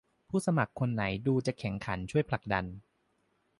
ผู้สมัครคนไหนดูจะแข็งขันช่วยผลักดัน